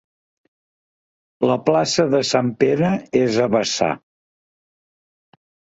La plaça de sant Pere és a vessar.